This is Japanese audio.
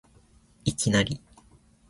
いきなり